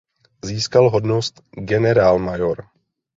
Získal hodnost generálmajor.